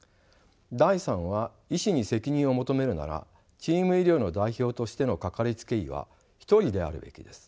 第３は医師に責任を求めるならチーム医療の代表としてのかかりつけ医は一人であるべきです。